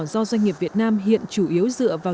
do doanh nghiệp việt nam hiện chủ yếu dựa vào